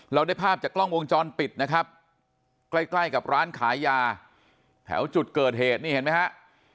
ได้ภาพจากกล้องวงจรปิดนะครับใกล้ใกล้กับร้านขายยาแถวจุดเกิดเหตุนี่เห็นไหมฮะ